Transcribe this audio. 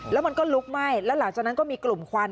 แล้วมันก็ลุกไหม้แล้วหลังจากนั้นก็มีกลุ่มควัน